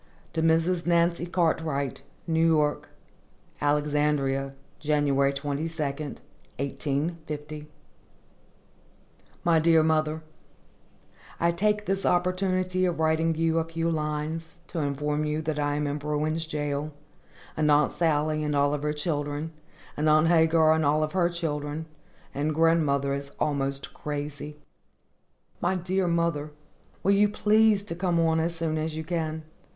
To Mrs. NANCY CARTWRIGHT, New York. Alexandria, Jan. 22, 1850. MY DEAR MOTHER: I take this opportunity of writing you a few lines, to inform you that I am in Bruin's Jail, and Aunt Sally and all of her children, and Aunt Hagar and all her children, and grandmother is almost crazy. My dear mother, will you please to come on as soon as you can?